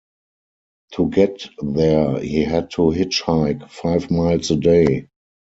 To get there, he had to hitchhike five miles a day.